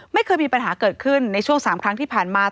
ไม่เคยมีปัญหาเกิดขึ้นในช่วง๓ครั้งที่ผ่านมา